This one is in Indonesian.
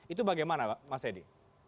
itu bagaimana mas hedy